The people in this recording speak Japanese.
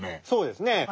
そうですね。